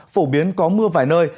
phổ biến có mưa vài nơi